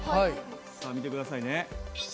さあ見て下さいね。